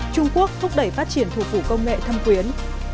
trung quốc thúc đẩy phát triển thủ phủ công nghệ thâm quyến